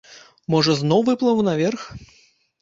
Можа зноў выплыву наверх?